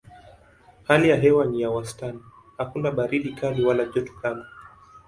Hali ya hewa ni ya wastani: hakuna baridi kali wala joto kali.